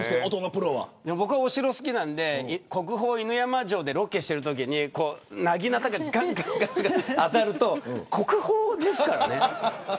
僕、お城好きなんで国宝犬山城でロケをしているときになぎなたが、がんがん当たると国宝ですからね。